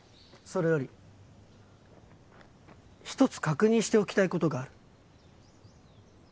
それより一つ確認しておきたい事がある。